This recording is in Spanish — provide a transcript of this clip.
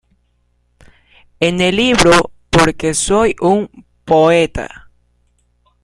En el libro: Porque soy un poeta.